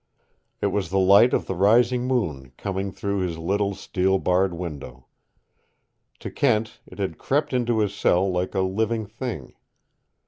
It was the light of the rising moon coming through his little, steel barred window. To Kent it had crept into his cell like a living thing.